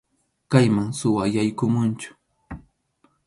Kayman suwa yaykumunchu.